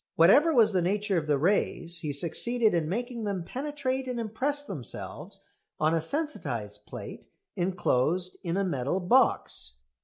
Whatever was the nature of the rays he succeeded in making them penetrate and impress themselves on a sensitised plate enclosed in a metal box.